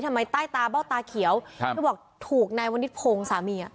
ทำไมใต้ตาเบ้าตาเขียวเขาบอกถูกในวนิทโพงสามีอ่ะ